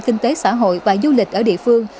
kinh tế xã hội và du lịch ở địa phương